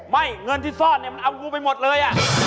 ไม่เงินที่ซ่อนมันเอาหมูไปหมดเลย